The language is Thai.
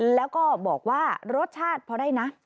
แล้วก็บอกว่ารสชาติพอได้นะ